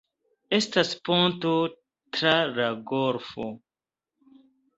Estas ponto tra la golfo.